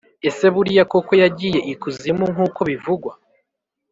Ese buriya koko yagiye ikuzimu nkuko bivugwa